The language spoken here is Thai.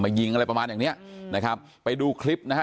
ยิงอะไรประมาณอย่างเนี้ยนะครับไปดูคลิปนะฮะ